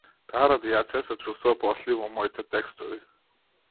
Таа радијација се чувствува после и во моите текстови.